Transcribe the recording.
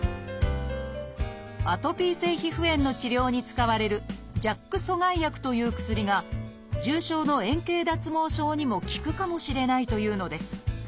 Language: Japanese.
アトピー性皮膚炎の治療に使われる「ＪＡＫ阻害薬」という薬が重症の円形脱毛症にも効くかもしれないというのです。